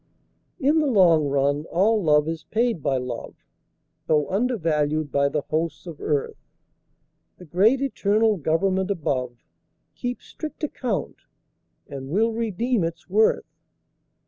In the long run all love is paid by love, Though undervalued by the hosts of earth; The great eternal Government above Keeps strict account and will redeem its worth.